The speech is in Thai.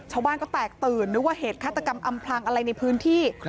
ชาวบ้านก็แตกตื่นนึกว่าเหตุฆาตกรรมอำพลังอะไรในพื้นที่